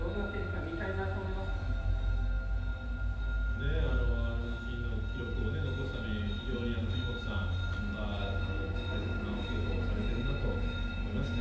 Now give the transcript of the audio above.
ねえあの地震の記録を残すために非常に藤本さんは大切なお仕事をされてるなと思いますね。